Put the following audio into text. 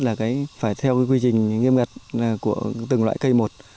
là phải theo quy trình nghiêm ngật của từng loại cây một